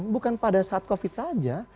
bukan pada saat covid saja